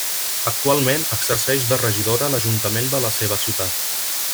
Actualment exerceix de regidora a l'ajuntament de la seva ciutat.